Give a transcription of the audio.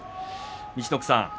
陸奥さん